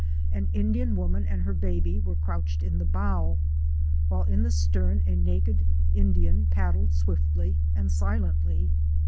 An Indian woman and her baby were crouched in the bow, while in the stern a naked Indian paddled swiftly and silently.